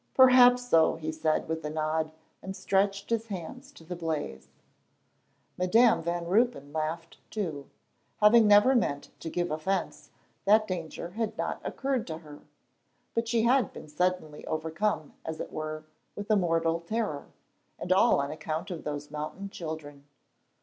"Perhaps so," he said, with a nod, and stretched his hands to the blaze. Madam Van Ruypen laughed too. Having never meant to give offence, that danger had not occurred to her. But she had been suddenly overcome, as it were, with a mortal terror, and all on account of those mountain children.